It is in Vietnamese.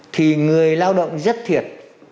thì người lao động rất thiệt